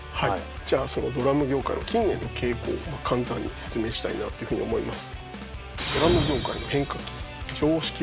じゃあそのドラム業界の近年の傾向を簡単に説明したいなっていうふうに思います。